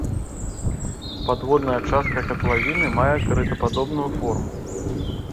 Падводная частка катлавіны мае карытападобную форму.